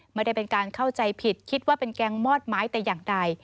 ไม่ได้เป็นการเข้าใจผิดคิดว่าเป็นแก๊งมอดไม้แต่อย่างใด